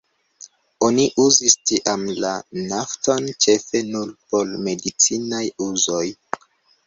Oni uzis tiam la nafton ĉefe nur por medicinaj uzoj.